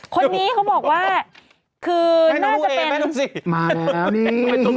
คนนี้เขาบอกว่าคือน่าจะเป็นแม่น้องลูกเอแม่น้องสี่